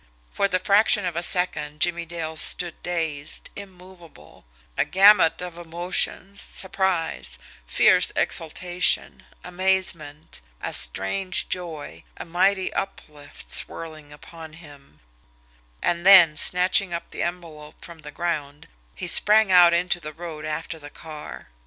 For the fraction of a second, Jimmie Dale stood dazed, immovable, a gamut of emotions, surprise, fierce exultation, amazement, a strange joy, a mighty uplift, swirling upon him and then, snatching up the envelope from the ground, he sprang out into the road after the car.